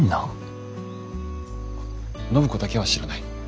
暢子だけは知らない。